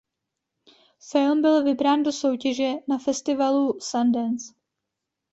Film byl vybrán do soutěže na festivalu Sundance.